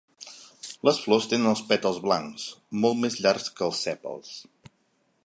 Les flors tenen els pètals blancs, molt més llargs que els sèpals.